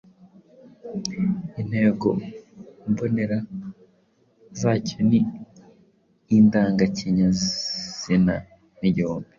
Intego mbonera zacyo ni indangakinyazina n’igicumbi .